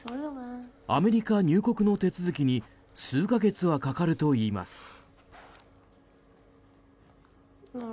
アメリカ入国の手続きに数か月はかかるといいます。